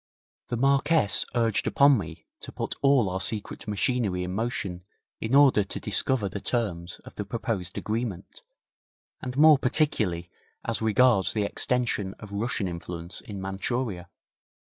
The Marquess urged upon me to put all our secret machinery in motion in order to discover the terms of the proposed agreement, and more particularly as regards the extension of Russian influence in Manchuria.